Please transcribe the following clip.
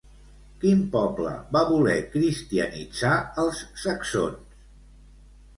Quin poble va voler cristianitzar als saxons?